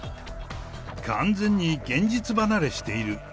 完全に現実離れしている。